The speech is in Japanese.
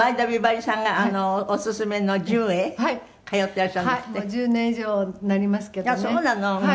「もう１０年以上になりますけどね」